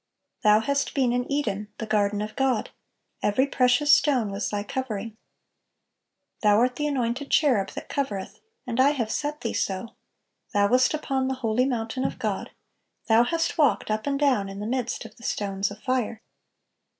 Thou hast been in Eden the garden of God; every precious stone was thy covering." "Thou art the anointed cherub that covereth; and I have set thee so: thou wast upon the holy mountain of God; thou hast walked up and down in the midst of the stones of fire.